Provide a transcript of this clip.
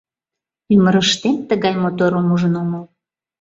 Ӱмырыштем тыгай моторым ужын омыл.